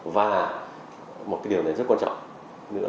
và một điều này rất quan trọng